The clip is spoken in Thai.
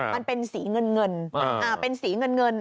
มันเป็นสีเงิน